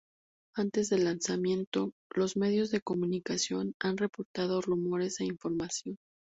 Antes del lanzamiento, los medios de comunicación han reportado rumores e información.